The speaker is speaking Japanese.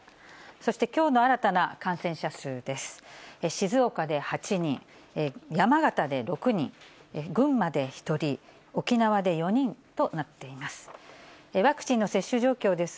そしてきょうの新たな感染者数です。